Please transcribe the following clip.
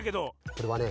これはね